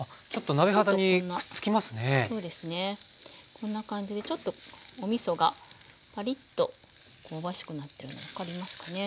こんな感じでちょっとおみそがパリッと香ばしくなってるの分かりますかね？